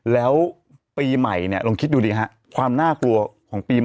แล้วปีใหม่ลองคิดดูดีความน่ากลัวของปีใหม่